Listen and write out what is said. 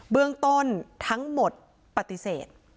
เบื้องต้นทั้งหมดปฏิเสธ